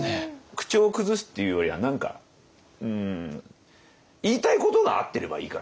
口調を崩すっていうよりは何か言いたいことが合ってればいいかなっていう。